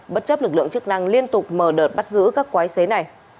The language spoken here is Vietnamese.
bất chấp lực lượng chức năng liên tục mở đợt bắt giữ các quái xế này